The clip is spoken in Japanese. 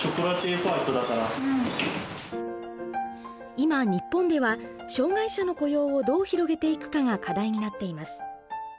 今日本では障害者の雇用をどう広げていくかが課題になっています。